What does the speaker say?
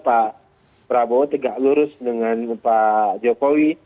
pak prabowo tegak lurus dengan pak jokowi